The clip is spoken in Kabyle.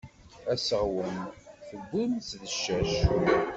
Aseɣwen tewwim-t d ccac.